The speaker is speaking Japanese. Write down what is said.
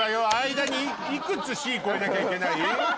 間にいくつ市越えなきゃいけない？